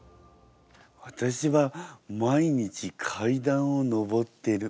わたしは毎日階段を上ってる。